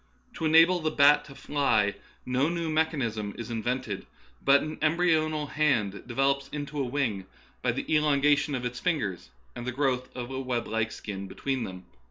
To enable the bat to fly, no new mechanism is invented, but an embryonal hand develops into a wing by the 26 Darwinism and Other Essays. elongation of its fingers and the growth of a web like skin between them.